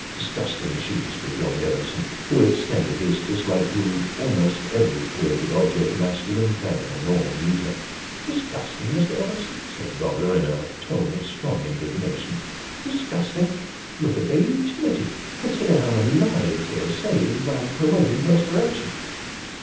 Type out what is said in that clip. " Disgusting machines !" rejoined Evenson, who extended his dis like to almost every created object, masculine, feminine, or neuter. " Disgusting, Mr. Evenson !" said Gobler, in a tone of strong indignation. " Disgusting ! Look at their utility consider how many lives they have saved by promoting perspiration."